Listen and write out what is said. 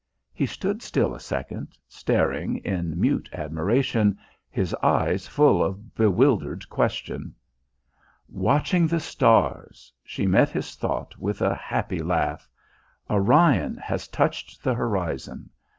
He stood still a second, staring in mute admiration, his eyes full of bewildered question. "Watching the stars," she met his thought with a happy laugh. "Orion has touched the horizon.